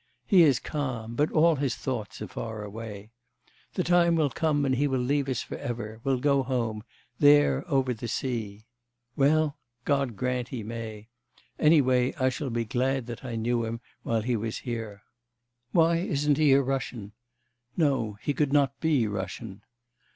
He is calm, but all his thoughts are far away. The time will come, and he will leave us for ever, will go home, there over the sea. Well? God grant he may! Any way I shall be glad that I knew him, while he was here. 'Why isn't he a Russian? No, he could not be Russian.